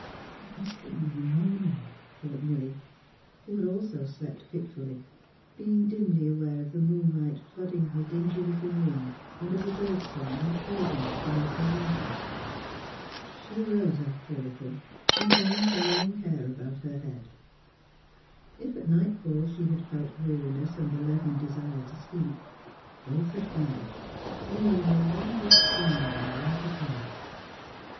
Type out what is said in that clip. " It must be near morning," thought Milly, who also had slept fitfully, being dimly aware of the moonlight flooding her dingy little room and of the bird song and fragrance beneath her window. She arose, after a little, and bound her long 201 202 THE HEAET OF PHILUEA hair about her head. If at night fall she had felt weariness and the leaden desire to sleep, both had vanished, leaving her wondrous strong and light of heart.